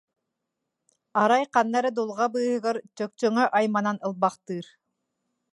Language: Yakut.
Арай ханна эрэ дулҕа быыһыгар чөкчөҥө айманан ылбахтыыр